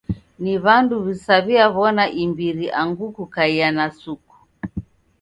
Ni w'andu w'isaw'iaw'ona imbiri angu kukaia na suku.